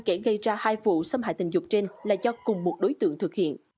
kẻ gây ra hai vụ xâm hại tình dục trên là do cùng một đối tượng thực hiện